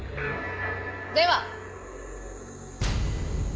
では。